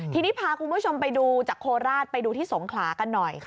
ทีนี้พาคุณผู้ชมไปดูจากโคราชไปดูที่สงขลากันหน่อย